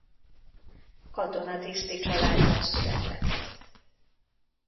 Katonatiszti családban született.